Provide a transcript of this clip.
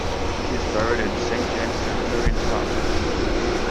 He is buried in Saint James Cemetery in Toronto.